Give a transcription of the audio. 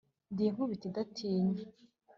ndi inkubito idatinya